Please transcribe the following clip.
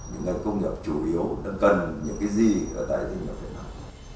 những ngành công nghiệp chủ yếu đang cần những cái gì ở tại doanh nghiệp việt nam